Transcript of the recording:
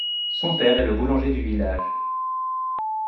Son père est le boulanger du village.